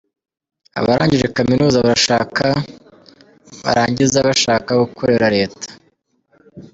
Abarangije Kaminuza bashaka barangiza bashaka gukorera Leta.